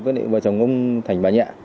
với bà thành nhẹ